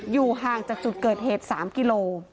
อยู่ห่างจากจุดเกิดเหตุ๓กิโล